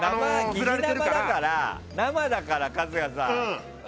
疑似生だから生だから、春日さん。